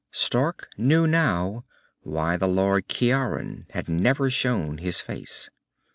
Stark knew now why the Lord Ciaran had never shown his face.